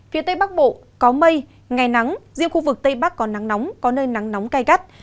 phía tây bắc bộ có mây ngày nắng riêng khu vực tây bắc có nắng nóng có nơi nắng nóng gai gắt